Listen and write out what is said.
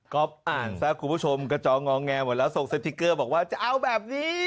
ก็อ่านซะคุณผู้ชมกระจองงอแงหมดแล้วส่งสติ๊กเกอร์บอกว่าจะเอาแบบนี้